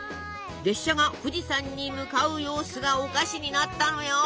列車が富士山に向かう様子がお菓子になったのよ！